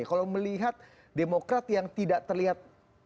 kalau melihat demokrat yang tidak terlihat